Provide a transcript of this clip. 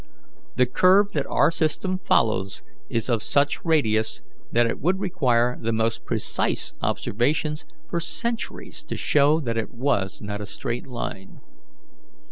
The curve that our system follows is of such radius that it would require the most precise observations for centuries to show that it was not a straight line.